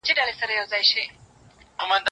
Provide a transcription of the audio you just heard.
ته رانغلې پر دې لاره ستا قولونه ښخومه